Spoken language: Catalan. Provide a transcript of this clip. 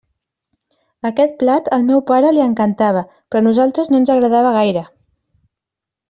Aquest plat, al meu pare, li encantava, però a nosaltres no ens agradava gaire.